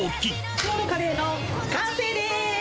きょうのカレーの完成です。